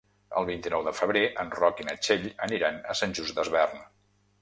El vint-i-nou de febrer en Roc i na Txell aniran a Sant Just Desvern.